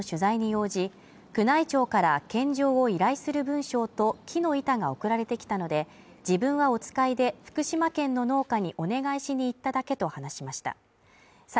この男性がＪＮＮの取材に応じ、宮内庁から献上を依頼する文章ときの板が送られてきたので、自分はお使いで、福島県の農家にお願いしに行っただけと話しました。